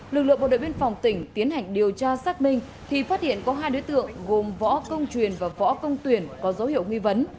lực lượng bộ đội biên phòng tỉnh tiến hành điều tra xác minh thì phát hiện có hai đối tượng gồm võ công truyền và võ công tuyển có dấu hiệu nghi vấn